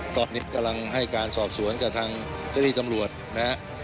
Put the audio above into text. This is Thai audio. ตอนนี้กำลังให้การสอบสวนกับทางเจ้าที่ตำรวจนะฮะ